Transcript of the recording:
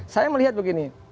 saya melihat begini